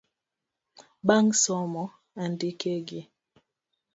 Bang somo andikegi